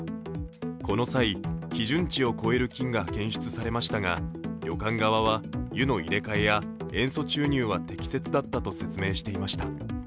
この際、基準値を超える菌が検出されましたが、旅館側は湯の入れ替えや塩素注入は適切だったと説明していました。